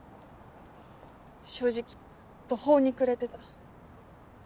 正直途方に暮れてた。